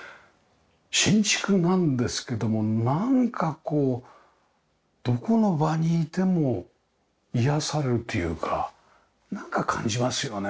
新築なんですけどもなんかこうどこの場にいても癒やされるというかなんか感じますよね。